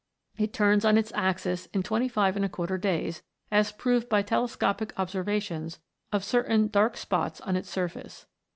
It turns on its axis in 25^ days, as proved by telescopic observations of certain dark spots on its surface.